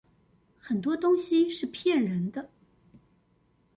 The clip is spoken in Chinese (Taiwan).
很多東西是騙人的